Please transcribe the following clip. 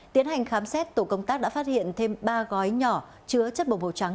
tiến hành khám xét tổ công tác đã phát hiện thêm ba gói nhỏ chứa chất bổng hồ trắng